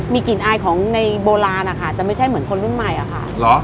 มีกลิ่นอายของในโบราณนะคะจะไม่ใช่เหมือนคนรุ่นใหม่อะค่ะ